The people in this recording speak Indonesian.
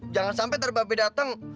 jangan sampe ntar babe dateng